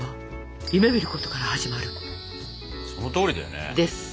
そのとおりだよね。です。